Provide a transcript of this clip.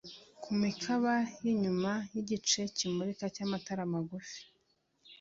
ku mikaba y'inyuma y'igice kimurika cy'amatara magufi.